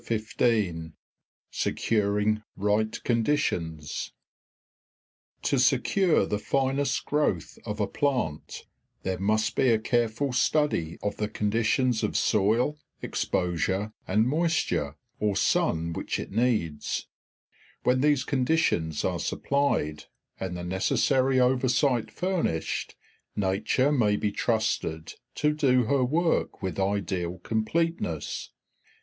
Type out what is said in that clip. Chapter XV Securing Right Conditions To secure the finest growth of a plant there must be a careful study of the conditions of soil, exposure, and moisture, or sun which it needs; when these conditions are supplied and the necessary oversight furnished, nature may be trusted to do her work with ideal completeness.